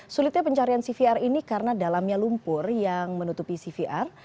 sulitnya pencarian cvr ini karena dalamnya lumpur yang menutupi cvr